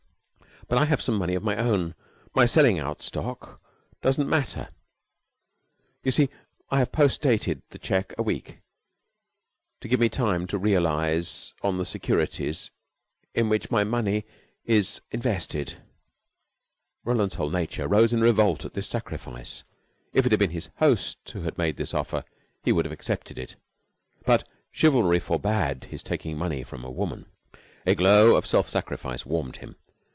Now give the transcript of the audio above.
But I have some money of my own. My selling out stock doesn't matter, you see. I have post dated the check a week, to give me time to realize on the securities in which my money is invested." Roland's whole nature rose in revolt at this sacrifice. If it had been his host who had made this offer, he would have accepted it. But chivalry forbade his taking this money from a woman. A glow of self sacrifice warmed him.